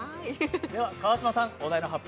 では川島さん、お題の発表